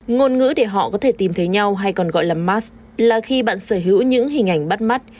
ngôn ngữ để họ có thể tìm thấy nhau hay còn gọi là mass là khi bạn sở hữu những hình ảnh bắt mắt